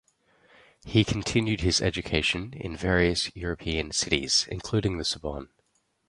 He continued his education in various European cities, including the Sorbonne.